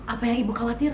apa yang ibu khawatir